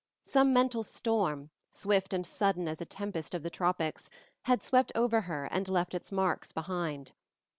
Some mental storm, swift and sudden as a tempest of the tropics, had swept over her and left its marks behind.